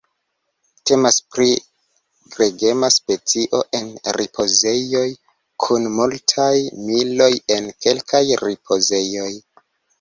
Temas pri gregema specio en ripozejoj kun multaj miloj en kelkaj ripozejoj.